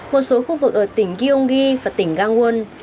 một số khu vực ở tỉnh gyeonggi và tỉnh gangwon